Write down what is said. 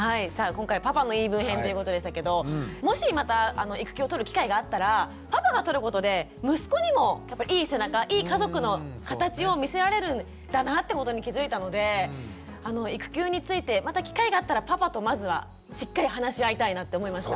今回「パパの言い分編」ということでしたけどもしまた育休を取る機会があったらパパが取ることで息子にもいい背中いい家族のかたちを見せられるんだなってことに気付いたので育休についてまた機会があったらパパとまずはしっかり話し合いたいなって思いました。